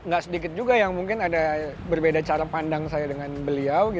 gak sedikit juga yang mungkin ada berbeda cara pandang saya dengan beliau